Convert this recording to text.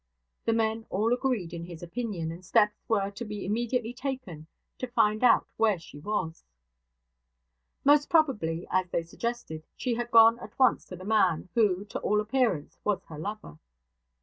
The men all agreed in his opinion, and steps were to be immediately taken to find out where she was. Most probably, as they suggested, she had gone at once to the man, who, to all appearance, was her lover.